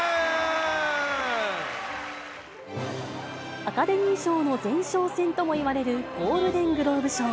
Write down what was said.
アカデミー賞の前哨戦ともいわれるゴールデングローブ賞。